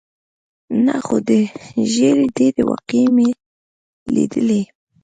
نه، خو د ژېړي ډېرې واقعې مې لیدلې.